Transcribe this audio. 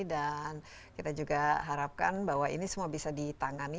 dan kita juga harapkan bahwa ini semua bisa ditangani